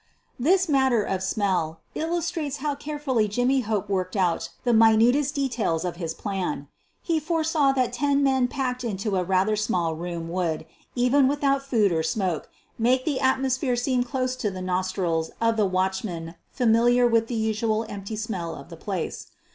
( This matter of smell illustrates how carefully Jimmy Hope worked out the minutest details of his plan. He foresaw that ten men packed into a rather small room would, even without food or smoke, make the atmosphere seem close to the nos trils of the watchman familiar with the usual empty smell of the place.